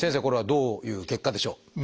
これはどういう結果でしょう？